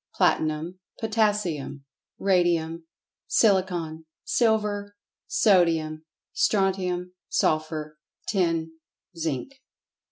Platinum. Potassium. Radium. Silicon. Silver. Sodium. Strontium. Sulphur. Tin. Zinc.